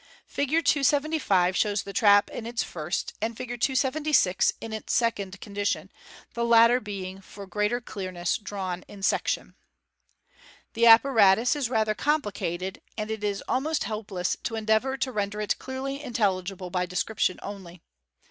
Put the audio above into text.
Fig 275 shows the trap in its first, and Fig. 276 in its second condition, the latter being, for greater clearness, drawn in section. The apparatus is F.G. 276. MODERN MAGIC. *47 rather complicated, and it is almost hopeless to endeavour to render it clearly intelligible by description only.